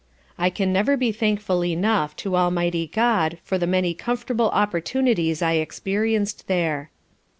I can never be thankful enough to Almighty GOD for the many comfortable opportunities I experienced there.